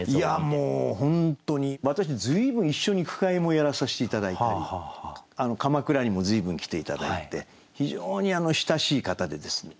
もう本当に私随分一緒に句会もやらさせて頂いたり鎌倉にも随分来て頂いて非常に親しい方でですね。